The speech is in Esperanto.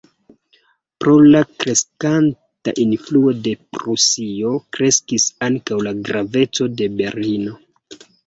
Pro la kreskanta influo de Prusio kreskis ankaŭ la graveco de Berlino.